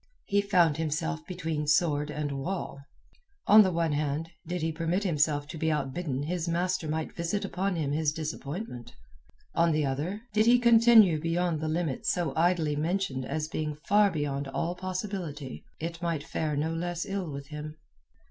He found himself between sword and wall. On the one hand did he permit himself to be outbidden his master might visit upon him his disappointment. On the other, did he continue beyond the limit so idly mentioned as being far beyond all possibility, it might fare no less ill with him.